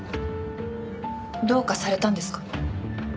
どうかされたんですか？